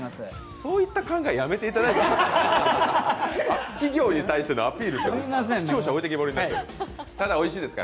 そういった考え、やめていただいていいですか？